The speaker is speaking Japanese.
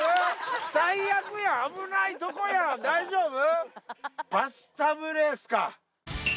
最悪やん危ないとこやん大丈夫？